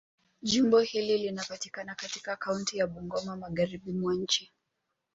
Jimbo hili linapatikana katika kaunti ya Bungoma, Magharibi mwa nchi.